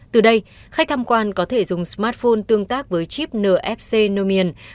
từ đây khách tham quan có thể dùng smartphone tương tác với chip nfc nomion